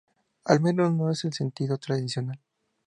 Al menos no en el sentido tradicional.